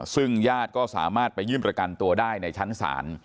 ซึ่งญาติก็สามารถไปยื่นประกันตัวได้ในชั้นศาล